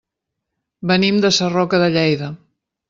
Venim de Sarroca de Lleida.